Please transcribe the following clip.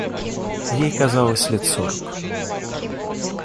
Ей казалось лет сорок.